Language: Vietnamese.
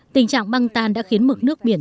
tình trạng băng tan đã khiến mực nước biển